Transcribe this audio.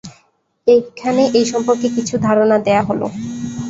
এখানে এই সম্পর্কে কিছু ধারণা দেয়া হল।